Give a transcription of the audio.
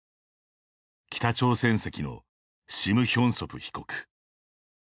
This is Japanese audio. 北朝鮮籍のシム・ヒョンソプ被告。